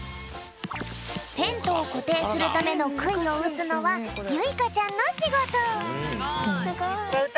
テントをこていするためのくいをうつのはゆいかちゃんのしごと。